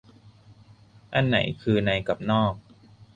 อันไหนคือในกับนอก